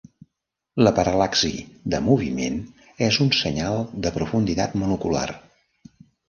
La paral·laxi de moviment és un senyal de profunditat monocular.